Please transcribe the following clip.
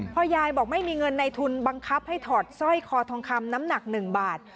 ยายบอกไม่มีเงินในทุนบังคับให้ถอดสร้อยคอทองคำน้ำหนัก๑บาท